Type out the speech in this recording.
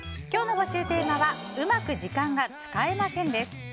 今日の募集テーマはうまく時間が使えません！です。